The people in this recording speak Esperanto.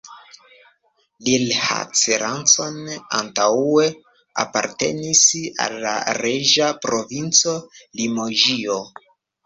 Rilhac-Rancon antaŭe apartenis al la reĝa provinco Limoĝio.